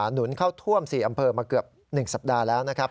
หนุนเข้าท่วม๔อำเภอมาเกือบ๑สัปดาห์แล้วนะครับ